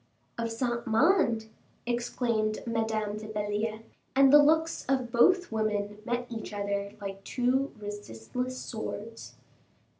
"Of Saint Mande?" exclaimed Madame de Belliere; and the looks of both women met each other like two resistless swords.